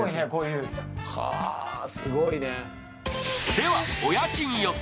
では、お家賃予想。